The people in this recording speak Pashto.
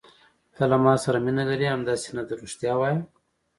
ته له ما سره مینه لرې، همداسې نه ده؟ رښتیا وایه.